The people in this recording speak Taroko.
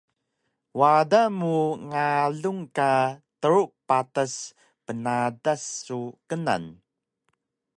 wada mu ngalun ka tru patas pneadas su knan